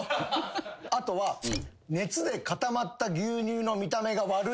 あとは「熱で固まった牛乳の見た目が悪いので」